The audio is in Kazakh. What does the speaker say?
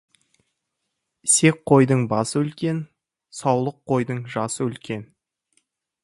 Ісек қойдың басы үлкен, саулық қойдың жасы үлкен.